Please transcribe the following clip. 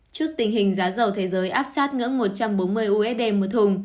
trước tình hình giá dầu thế giới áp sát ngưỡng một trăm bốn mươi usd một thùng